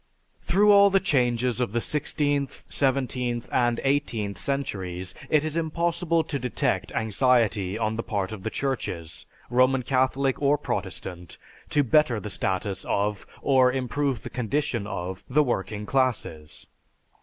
Through all the changes of the sixteenth, seventeenth, and eighteenth centuries, it is impossible to detect anxiety on the part of the Churches, Roman Catholic or Protestant, to better the status of, or improve the condition of, the working classes.